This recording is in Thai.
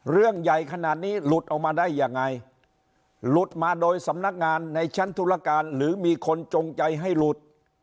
เรื่องใหญ่ขนาดนี้หลุดออกมาได้ยังไงหลุดมาโดยสำนักงานในชั้นธุรการหรือมีคนจงใจให้หลุด